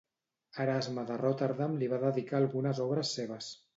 Erasme de Rotterdam li va dedicar algunes obres seves.